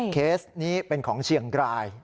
เคสนี้เป็นของเชียงราย